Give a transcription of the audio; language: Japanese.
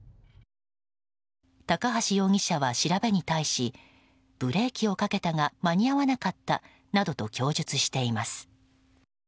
高橋容疑者は調べに対しブレーキをかけたが間に合わなかったなどと供述しています。